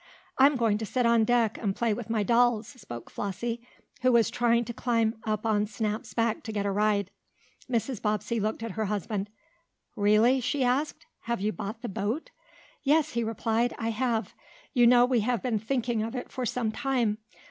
"I'm going to sit on deck and play with my dolls," spoke Flossie, who was trying to climb up on Snap's back to get a ride. Mrs. Bobbsey looked at her husband. "Really?" she asked. "Have you bought the boat?" "Yes," he replied, "I have. You know we have been thinking of it for some time.